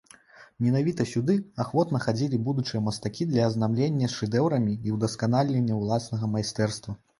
Менавіта сюды ахвотна хадзілі будучыя мастакі для азнаямлення з шэдэўрамі і ўдасканалення ўласнага майстэрства.